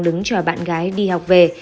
đứng chờ bạn gái đi học về